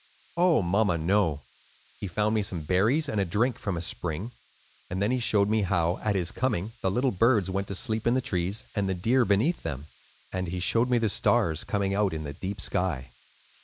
"Oh, mamma, no. He found me some berries and a drink from a spring; and then he showed me how, at his coming, the little birds went to sleep in the trees, and the deer beneath them. And he showed me the stars, coming out in the deep sky.